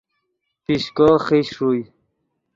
پیشکو خیش ݰوئے